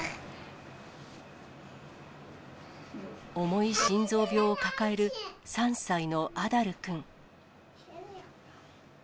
重い心臓病を抱える３歳のアダルくん。